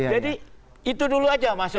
jadi itu dulu aja masuk